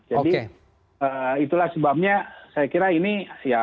jadi itulah sebabnya saya kira ini ya